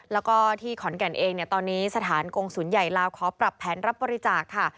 แล้วก็ที่ขอนแก่นเองเนี่ยตอนนี้สถานกงศูนย์ใหญ่ลาวขอปรับแผนรับบริจาคค่ะ